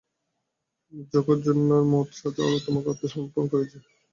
জগজ্জননীর কাছে তোমাকে সমর্পণ করেছি।